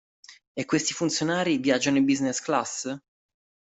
E questi funzionari viaggiano in business class?